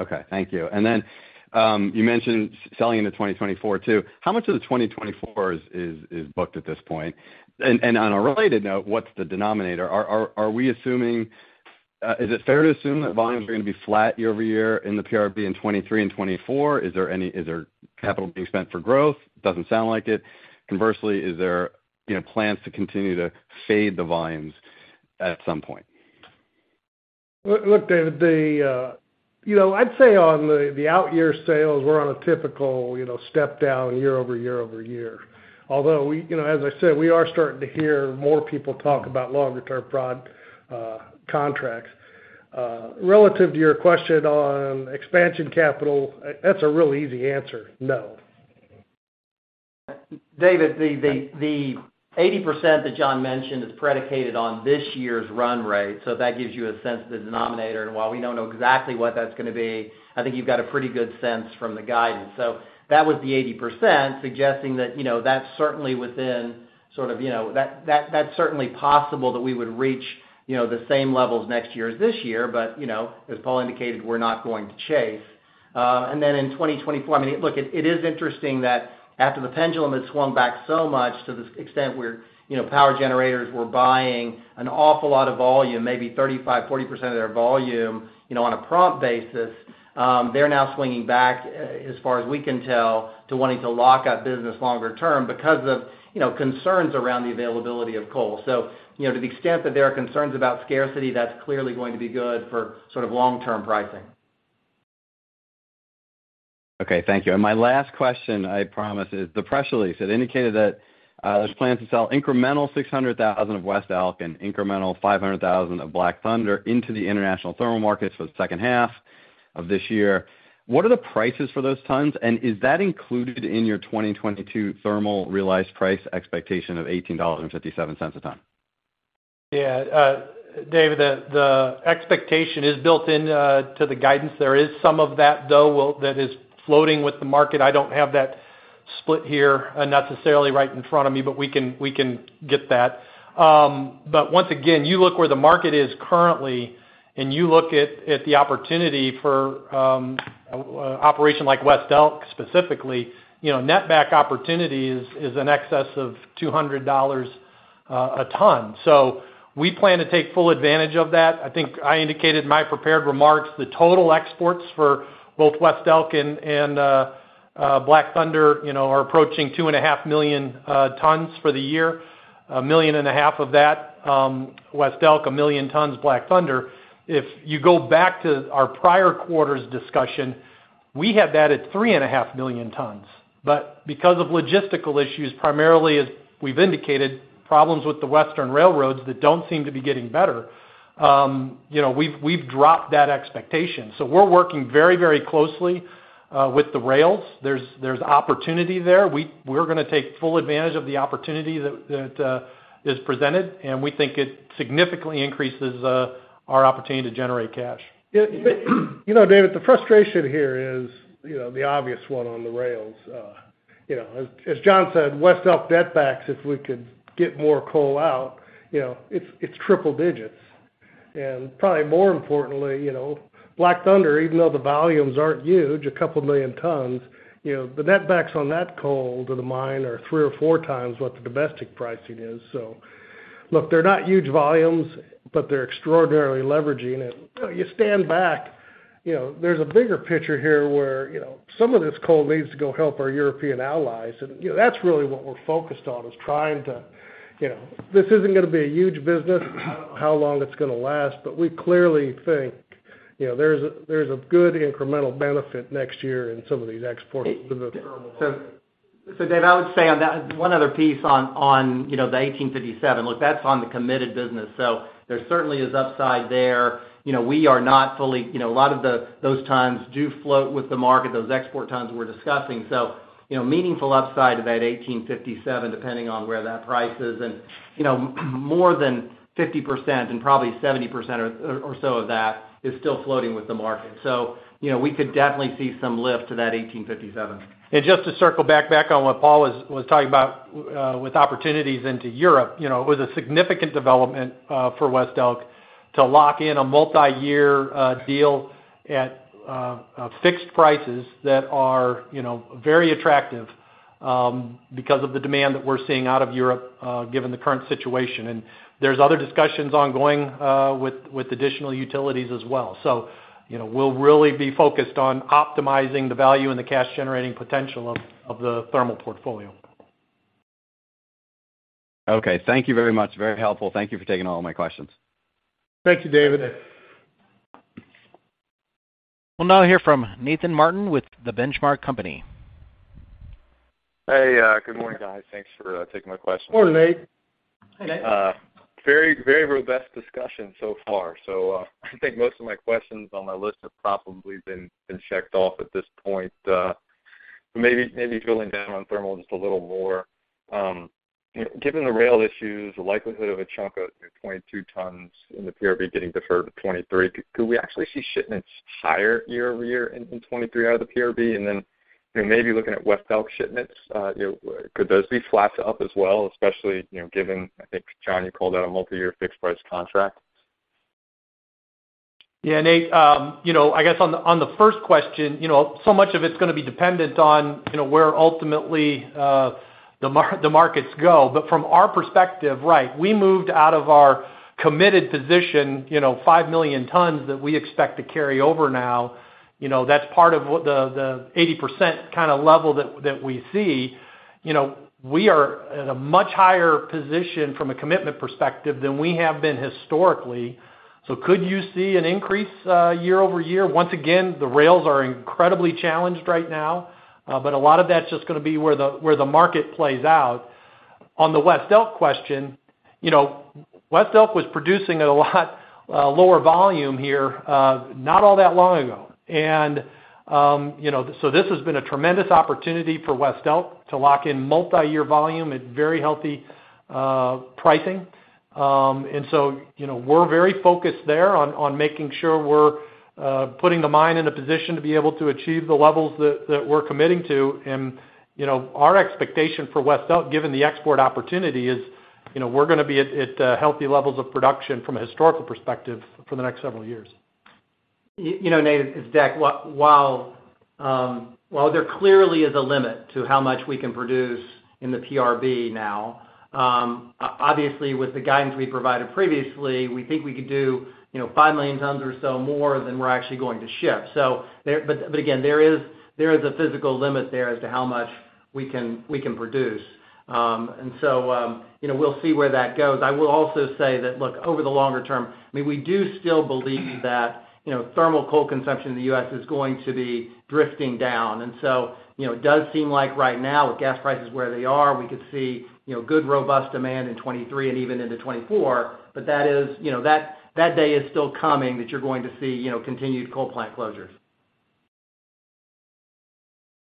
Okay, thank you. You mentioned selling into 2024 too. How much of the 2024 is booked at this point? On a related note, what's the denominator? Is it fair to assume that volumes are gonna be flat year-over-year in the PRB in 2023 and 2024? Is there capital being spent for growth? Doesn't sound like it. Conversely, is there, you know, plans to continue to fade the volumes at some point? Look, David, you know, I'd say on the out year sales, we're on a typical, you know, step down year over year-over-year. Although, you know, as I said, we are starting to hear more people talk about longer-term contracts. Relative to your question on expansion capital, that's a real easy answer, no. David, the 80% that John mentioned is predicated on this year's run rate. That gives you a sense of the denominator. While we don't know exactly what that's gonna be, I think you've got a pretty good sense from the guidance. That was the 80% suggesting that, you know, that's certainly within sort of, you know, that's certainly possible that we would reach, you know, the same levels next year as this year. You know, as Paul indicated, we're not going to chase. Then in 2024, I mean, it is interesting that after the pendulum had swung back so much to the extent where, you know, power generators were buying an awful lot of volume, maybe 35%-40% of their volume, you know, on a prompt basis. They're now swinging back, as far as we can tell, to wanting to lock up business longer term because of, you know, concerns around the availability of coal. You know, to the extent that there are concerns about scarcity, that's clearly going to be good for sort of long-term pricing. Okay, thank you. My last question, I promise, is the press release. It indicated that there's plans to sell incremental 600,000 of West Elk and incremental 500,000 of Black Thunder into the international thermal markets for the second half of this year. What are the prices for those tons? And is that included in your 2022 thermal realized price expectation of $18.57 a ton? Yeah. David, the expectation is built into the guidance. There is some of that, though, that is floating with the market. I don't have that split here necessarily right in front of me, but we can get that. Once again, you look where the market is currently, and you look at the opportunity for operation like West Elk specifically, you know, netback opportunity is in excess of $200 a ton. We plan to take full advantage of that. I think I indicated in my prepared remarks the total exports for both West Elk and Black Thunder, you know, are approaching 2.5 million tons for the year. 1.5 million of that, West Elk. 1 million tons, Black Thunder. If you go back to our prior quarter's discussion, we had that at 3.5 million tons. Because of logistical issues, primarily as we've indicated, problems with the Western railroads that don't seem to be getting better, you know, we've dropped that expectation. We're working very, very closely with the rails. There's opportunity there. We're gonna take full advantage of the opportunity that is presented, and we think it significantly increases our opportunity to generate cash. Yeah. You know, David, the frustration here is, you know, the obvious one on the rails. You know, as John said, West Elk netbacks if we could get more coal out, you know, it's triple digits. And probably more importantly, you know, Black Thunder, even though the volumes aren't huge, 2 million tons, you know, the netbacks on that coal to the mine are three or 4x what the domestic pricing is. So look, they're not huge volumes, but they're extraordinarily leveraging. You stand back, you know, there's a bigger picture here where, you know, some of this coal needs to go help our European allies. You know, that's really what we're focused on, is trying to. You know, this isn't gonna be a huge business. I don't know how long it's gonna last, but we clearly think, you know, there's a good incremental benefit next year in some of these exports to the thermal market. David, I would say on that one other piece on you know, the $18.57. Look, that's on the committed business. There certainly is upside there. You know, a lot of those tons do float with the market, those export tons we're discussing. You know, meaningful upside of that $18.57, depending on where that price is. You know, more than 50% and probably 70% or so of that is still floating with the market. You know, we could definitely see some lift to that $18.57. Just to circle back on what Paul was talking about with opportunities into Europe. You know, it was a significant development for West Elk to lock in a multiyear deal at fixed prices that are, you know, very attractive because of the demand that we're seeing out of Europe given the current situation. There's other discussions ongoing with additional utilities as well. You know, we'll really be focused on optimizing the value and the cash-generating potential of the thermal portfolio. Okay. Thank you very much. Very helpful. Thank you for taking all my questions. Thank you, David. We'll now hear from Nathan Martin with The Benchmark Company. Hey, good morning, guys. Thanks for taking my question. Morning, Nate. Hey, Nate. Very, very robust discussion so far. I think most of my questions on my list have probably been checked off at this point. Maybe drilling down on thermal just a little more. Given the rail issues, the likelihood of a chunk of your 22 tons in the PRB getting deferred to 2023, could we actually see shipments higher year-over-year in 2023 out of the PRB? Then, you know, maybe looking at West Elk shipments, you know, could those be flat to up as well, especially, you know, given, I think, John, you called out a multiyear fixed price contract? Yeah, Nate. You know, I guess on the first question, you know, so much of it's gonna be dependent on, you know, where ultimately the markets go. From our perspective, right, we moved out of our committed position, you know, 5 million tons that we expect to carry over now. You know, that's part of what the 80% kind of level that we see. You know, we are at a much higher position from a commitment perspective than we have been historically. Could you see an increase year-over-year? Once again, the rails are incredibly challenged right now. But a lot of that's just gonna be where the market plays out. On the West Elk question, you know, West Elk was producing a lot lower volume here, not all that long ago. You know, so this has been a tremendous opportunity for West Elk to lock in multiyear volume at very healthy pricing. You know, we're very focused there on making sure we're putting the mine in a position to be able to achieve the levels that we're committing to. You know, our expectation for West Elk, given the export opportunity is, you know, we're gonna be at healthy levels of production from a historical perspective for the next several years. You know, Nathan, it's Deck. While there clearly is a limit to how much we can produce in the PRB now, obviously with the guidance we provided previously, we think we could do, you know, 5 million tons or so more than we're actually going to ship. There is a physical limit there as to how much we can produce. You know, we'll see where that goes. I will also say that, look, over the longer term, I mean, we do still believe that, you know, thermal coal consumption in the U.S. is going to be drifting down. You know, it does seem like right now with gas prices where they are, we could see, you know, good robust demand in 2023 and even into 2024. That is, you know, that day is still coming that you're going to see, you know, continued coal plant closures.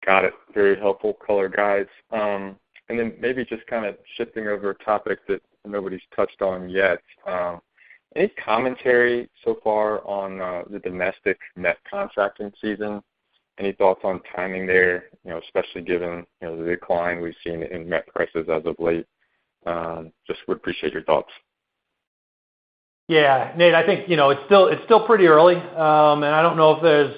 Got it. Very helpful color, guys. Maybe just kind of shifting over a topic that nobody's touched on yet. Any commentary so far on the domestic met contracting season? Any thoughts on timing there? You know, especially given, you know, the decline we've seen in met prices as of late. Just would appreciate your thoughts. Yeah. Nate, I think, you know, it's still pretty early. I don't know if there's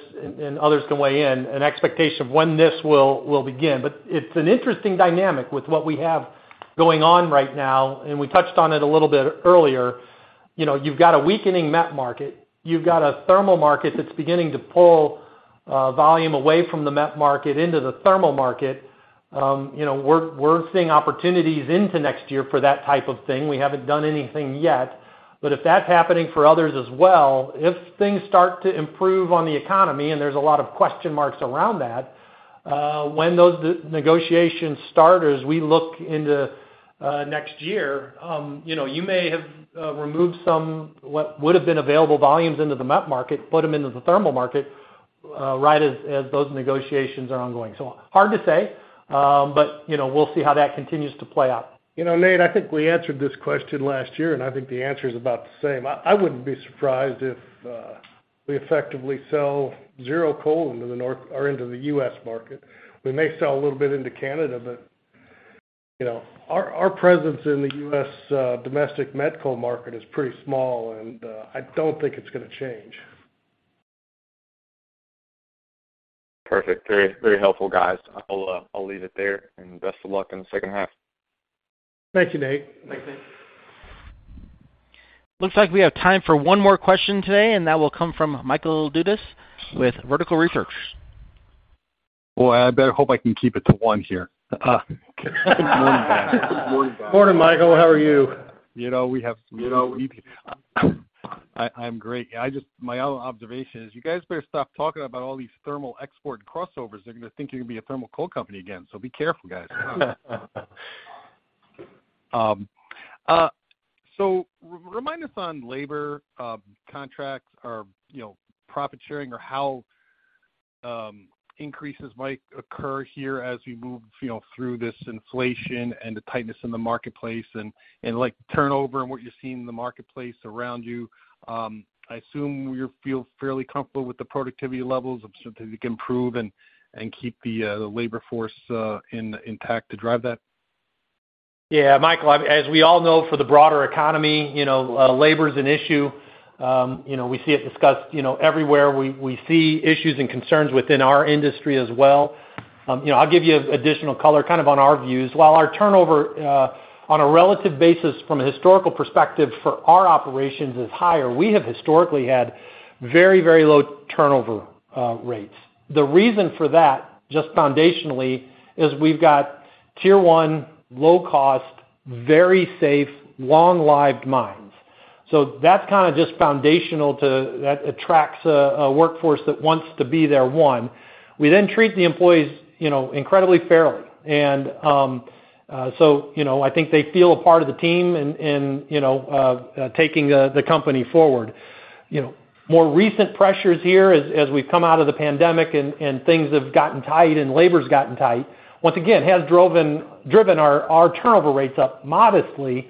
an expectation of when this will begin, and others can weigh in. It's an interesting dynamic with what we have going on right now, and we touched on it a little bit earlier. You know, you've got a weakening met market. You've got a thermal market that's beginning to pull volume away from the met market into the thermal market. You know, we're seeing opportunities into next year for that type of thing. We haven't done anything yet. If that's happening for others as well, if things start to improve on the economy, and there's a lot of question marks around that, when those negotiations start, as we look into next year, you know, you may have removed some what would've been available volumes into the met market, put them into the thermal market, right as those negotiations are ongoing. Hard to say, but you know, we'll see how that continues to play out. You know, Nate, I think we answered this question last year, and I think the answer is about the same. I wouldn't be surprised if we effectively sell zero coal into the north or into the U.S. market. We may sell a little bit into Canada, but you know, our presence in the U.S., domestic met coal market is pretty small, and I don't think it's gonna change. Perfect. Very, very helpful, guys. I'll leave it there, and best of luck in the second half. Thank you, Nate. Looks like we have time for one more question today, and that will come from Michael Dudas with Vertical Research. Well, I better hope I can keep it to one here. Morning, Michael. How are you? I'm great. My only observation is you guys better stop talking about all these thermal export crossovers. They're gonna think you're gonna be a thermal coal company again, so be careful, guys. So remind us on labor contracts or, you know, profit sharing or how increases might occur here as we move, you know, through this inflation and the tightness in the marketplace and, like, turnover and what you're seeing in the marketplace around you. I assume you feel fairly comfortable with the productivity levels, so that they can improve and keep the labor force intact to drive that. Yeah, Michael, as we all know for the broader economy, you know, labor is an issue. You know, we see it discussed, you know, everywhere. We see issues and concerns within our industry as well. You know, I'll give you additional color kind of on our views. While our turnover on a relative basis from a historical perspective for our operations is higher, we have historically had very, very low turnover rates. The reason for that, just foundationally, is we've got tier one, low cost, very safe, long-lived mines. So that's kinda just foundational to that attracts a workforce that wants to be there, one. We then treat the employees, you know, incredibly fairly. You know, I think they feel a part of the team in you know taking the company forward. You know, more recent pressures here as we've come out of the pandemic and things have gotten tight and labor's gotten tight, once again, has driven our turnover rates up modestly.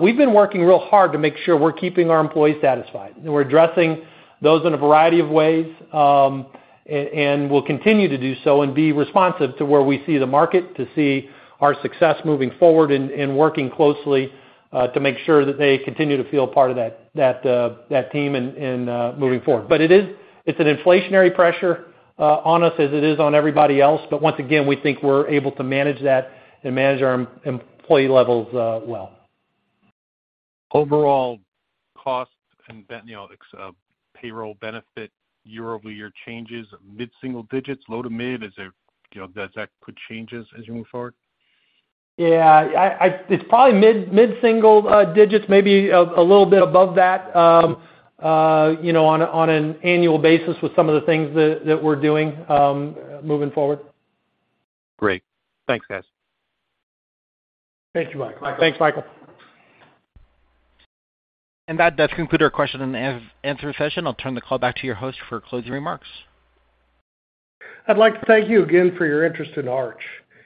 We've been working real hard to make sure we're keeping our employees satisfied, and we're addressing those in a variety of ways, and we'll continue to do so and be responsive to where we see the market to see our success moving forward and working closely to make sure that they continue to feel part of that team and moving forward. It is an inflationary pressure on us as it is on everybody else. Once again, we think we're able to manage that and manage our employee levels well. Overall costs and, you know, like, payroll benefit year-over-year changes, mid-single digits, low to mid, is there, you know, does that put changes as you move forward? Yeah. It's probably mid-single digits, maybe a little bit above that, you know, on an annual basis with some of the things that we're doing moving forward. Great. Thanks, guys. Thank you, Michael. Thanks, Michael. That does conclude our question-and-answer session. I'll turn the call back to your host for closing remarks. I'd like to thank you again for your interest in Arch.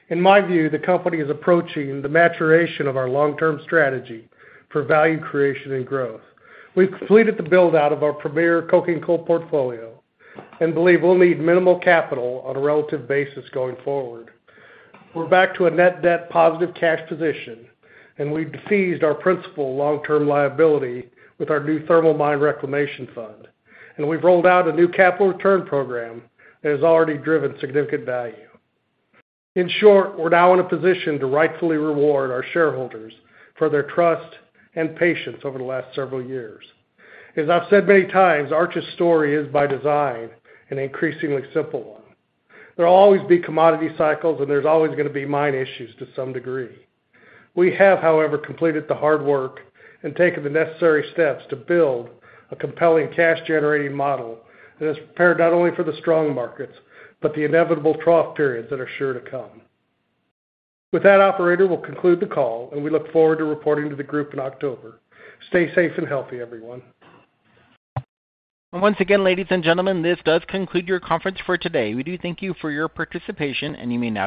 In my view, the company is approaching the maturation of our long-term strategy for value creation and growth. We've completed the build-out of our premier coking coal portfolio and believe we'll need minimal capital on a relative basis going forward. We're back to a net debt positive cash position, and we've decreased our principal long-term liability with our new thermal mine reclamation fund. We've rolled out a new capital return program that has already driven significant value. In short, we're now in a position to rightfully reward our shareholders for their trust and patience over the last several years. As I've said many times, Arch's story is by design an increasingly simple one. There'll always be commodity cycles, and there's always gonna be mine issues to some degree. We have, however, completed the hard work and taken the necessary steps to build a compelling cash-generating model that is prepared not only for the strong markets, but the inevitable trough periods that are sure to come. With that, operator, we'll conclude the call, and we look forward to reporting to the group in October. Stay safe and healthy, everyone. Once again, ladies and gentlemen, this does conclude your conference for today. We do thank you for your participation, and you may now disconnect.